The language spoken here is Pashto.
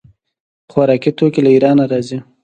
خوراکي توکي له ایران راځي.